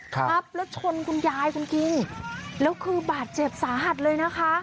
ครับแล้วชนคุณยายคุณคิงแล้วคือบาดเจ็บสาหัสเลยนะคะ